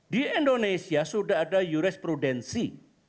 di indonesia sudah ada jurisprudensi